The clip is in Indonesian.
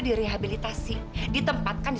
dan suatu saat nanti